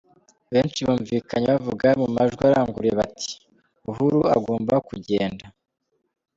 Benshi bumvikanye bavuga mu majwi aranguruye bati “Uhuru agomba kugenda”.